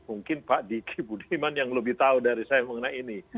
mungkin pak diki budiman yang lebih tahu dari saya mengenai ini